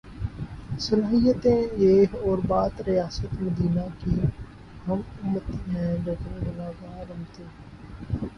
صلاحیتیں یہ اور بات ریاست مدینہ کی ہم امتی ہیں لیکن گناہگار امتی۔